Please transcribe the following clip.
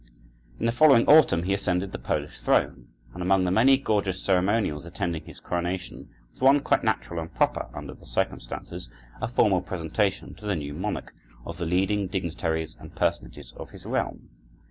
In the following autumn he ascended the Polish throne, and among the many gorgeous ceremonials attending his coronation, was one quite natural and proper under the circumstances—a formal presentation to the new monarch, of the leading dignitaries and personages of his realm.